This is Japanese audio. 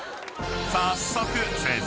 ［早速］